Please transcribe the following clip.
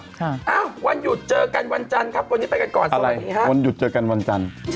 อ้าววันหยุดเจอกันวันจันทร์ครับวันนี้ไปกันก่อนสวัสดีค่ะวันหยุดเจอกันวันจันทร์